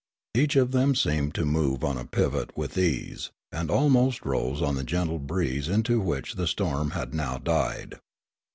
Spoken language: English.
Each of them seemed to move on a pivot with ease, and almost rose on the gentle breeze into which the storm had now died.